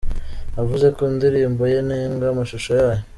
Navuze ku ndirimbo ye nenga amashusho yayo.